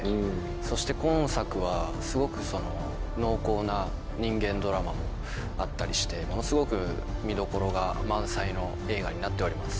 そして今作はすごく濃厚な人間ドラマもあったりしてものすごく見どころが満載の映画になっております。